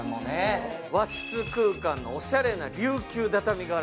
和室空間のおしゃれな琉球畳柄。